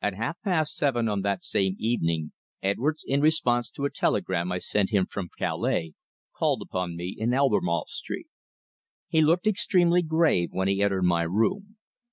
At half past seven on that same evening, Edwards, in response to a telegram I sent him from Calais, called upon me in Albemarle Street. He looked extremely grave when he entered my room.